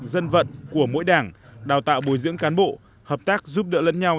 dân vận của mỗi đảng đào tạo bồi dưỡng cán bộ hợp tác giúp đỡ lẫn nhau